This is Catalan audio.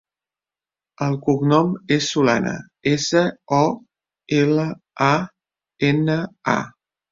El cognom és Solana: essa, o, ela, a, ena, a.